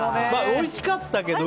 おいしかったけど。